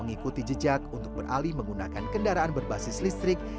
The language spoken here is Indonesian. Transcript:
mengikuti jejak untuk beralih menggunakan kendaraan berbasis listrik